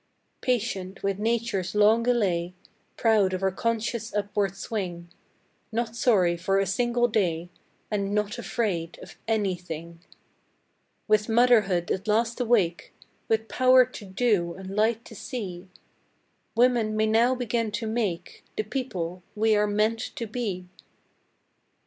Patient with Nature's long delay, Proud of our conscious upward swing; Not sorry for a single day, And Not Afraid of Anything! With Motherhood at last awake With Power to Do and Light to See Women may now begin to Make The People we are Meant to Be!